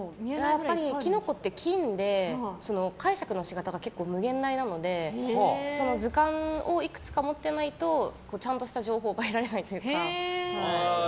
やっぱりキノコって菌で解釈の仕方が結構、無限大なので図鑑をいくつか持ってないとちゃんとした情報が得られないというか。